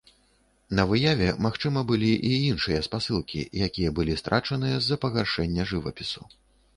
На выяве, магчыма, былі і іншыя спасылкі, якія былі страчаныя з-за пагаршэння жывапісу.